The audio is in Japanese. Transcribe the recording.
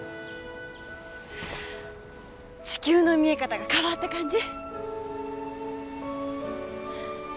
地球の見え方が変わった感じ。